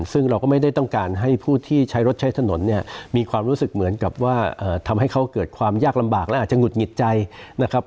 ซึ่งเราก็ไม่ได้ต้องการให้ผู้ที่ใช้รถใช้ถนนเนี่ยมีความรู้สึกเหมือนกับว่าทำให้เขาเกิดความยากลำบากและอาจจะหงุดหงิดใจนะครับ